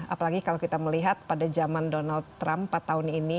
apalagi kalau kita melihat pada zaman donald trump empat tahun ini